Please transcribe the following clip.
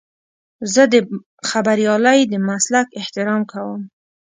زه د خبریالۍ د مسلک احترام کوم.